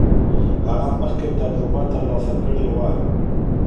هغه مخکې تجربه ترلاسه کړې وه.